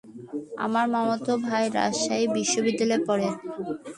তার মামাতো ভাই রাজশাহী বিশ্বনিদ্যালয়ে পড়ে।